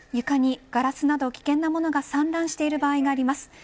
床にガラスなど危険な物が散乱している場合があります。